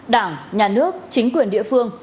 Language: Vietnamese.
đảng nhà nước chính quyền địa phương